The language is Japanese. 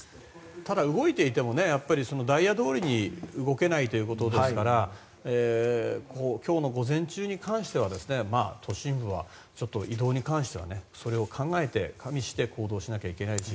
ただ、動いていてもねダイヤどおりに動けないですから今日の午前中に関しては都心部は移動に関しては、それを考えて加味して行動しないといけないし。